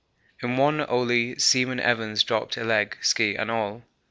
In one only Seaman Evans dropped a leg, ski and all.